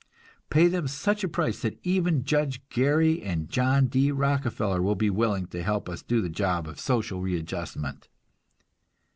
Pay them such a price that even Judge Gary and John D. Rockefeller will be willing to help us do the job of social readjustment!